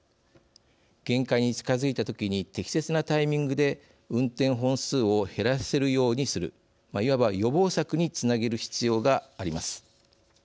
限界に近づいた時に適切なタイミングで運転本数を減らせるようにするいわば予防策につなげる必要があります。